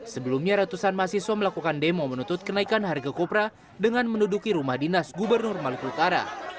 sebelumnya ratusan mahasiswa melakukan demo menuntut kenaikan harga kopra dengan menduduki rumah dinas gubernur maluku utara